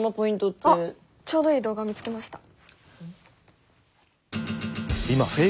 あっちょうどいい動画を見つけました。